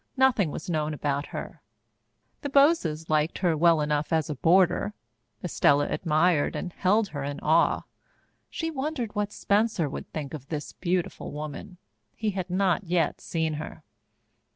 Nothing was known about her. The Boweses liked her well enough as a boarder. Estella admired and held her in awe. She wondered what Spencer would think of this beautiful woman. He had not yet seen her.